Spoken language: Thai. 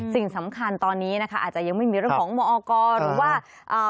สิ่งสำคัญตอนนี้นะคะอาจจะยังไม่มีเรื่องของมอกรหรือว่าอ่า